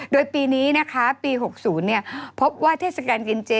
โดยปีนี้นะคะปี๖๐พบว่าเทศกาลกินเจ